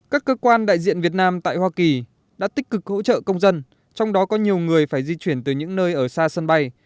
các cơ quan đại diện việt nam tại hoa kỳ đã tích cực hỗ trợ công dân trong đó có nhiều người phải di chuyển từ những nơi ở xa sân bay